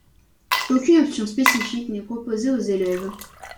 Aucune option spécifique n'est proposée aux élèves.